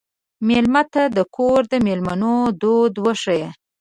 مېلمه ته د کور د مېلمنو دود وښیه.